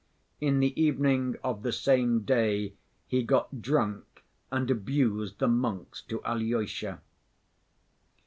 In the evening of the same day he got drunk and abused the monks to Alyosha.